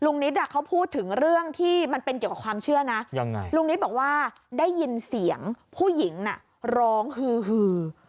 นิดเขาพูดถึงเรื่องที่มันเป็นเกี่ยวกับความเชื่อนะยังไงลุงนิตบอกว่าได้ยินเสียงผู้หญิงน่ะร้องฮือ